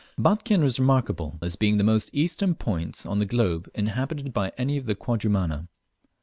Batchian is remarkable as being the most eastern point on the globe inhabited by any of the Quadrumana.